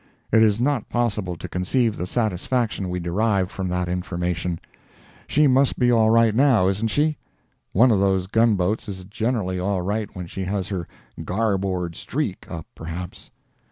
It is not possible to conceive the satisfaction we derived from that information. She must be all right now, isn't she? One of those gunboats is generally all right when she has her "garboard streak" up, perhaps.